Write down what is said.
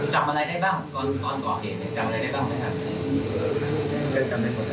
จำอะไรได้บ้างตอนต่อเห็นเนี่ย